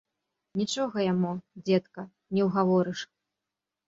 Нічога яму, дзедка, не ўгаворыш.